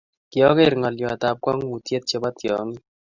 Kyageer ngolyotab kwangutyiet chebo tyongik